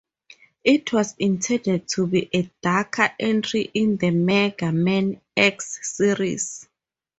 It was intended to be a darker entry in the "Mega Man X" series.